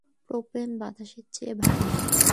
Propane বাতাসের চেয়ে ভারী।